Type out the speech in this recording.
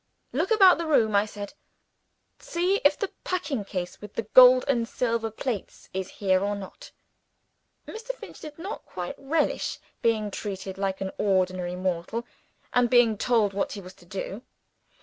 "Look about the room!" I said. "See if the packing case with the gold and silver plates is here or not." Mr. Finch did not quite relish being treated like an ordinary mortal, and being told what he was to do.